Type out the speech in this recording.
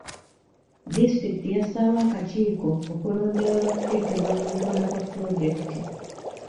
Disitulikiti yassaawo akakiiko okulondoola okuteekebwa mu nkola kwa pulojekiti.